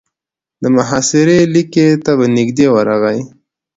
د محاصرې ليکې ته به نږدې ورغی.